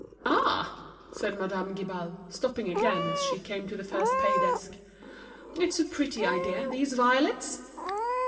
"Ah!" said Madame Guibal, stopping again as she came to the first pay desk, "it's a pretty idea, these violets!"